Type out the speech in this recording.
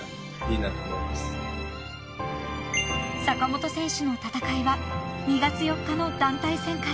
［坂本選手の戦いは２月４日の団体戦から］